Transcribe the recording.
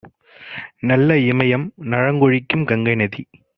நல்ல இமயம், நலங்கொழிக்கும் கங்கைநதி